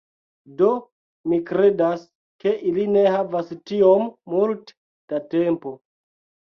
Do, mi kredas, ke ili ne havas tiom multe da tempo